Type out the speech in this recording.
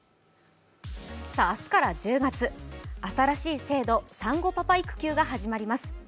明日から１０月、新しい制度、産後パパ育休が始まります。